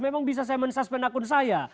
memang bisa saya men suspend akun saya